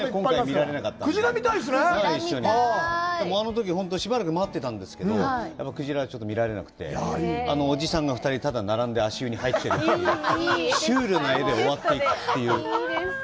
あのとき本当にしばらく待ってたんですけど、クジラはちょっと見られなくて、おじさんがただ２人並んで足湯になっているというシュールな画で終わっていくという。